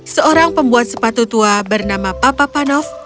seorang pembuat sepatu tua bernama papa panov